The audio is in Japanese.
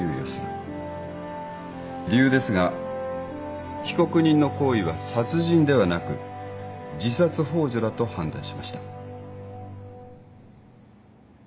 理由ですが被告人の行為は殺人ではなく自殺ほう助だと判断しました。